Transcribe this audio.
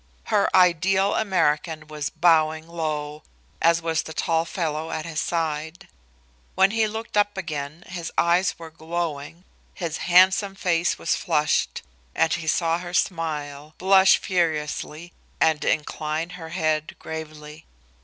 Her "ideal American" was bowing low, as was the tall fellow at his side. When he looked up again his eyes were glowing, his handsome face was flushed, and he saw her smile, blush furiously and incline her head gravely.